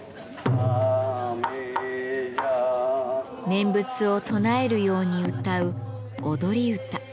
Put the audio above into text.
念仏を唱えるように歌う踊り唄。